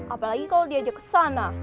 apalagi kalau diajak ke sana